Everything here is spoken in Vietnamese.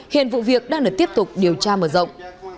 hiện vụ việc đang được tiếp tục điều tra mở rộng